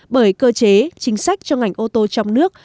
bởi cơ chế chính sách cho ngành ô tô trong nước